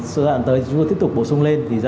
sự dạng tới chúng tôi tiếp tục bổ sung lên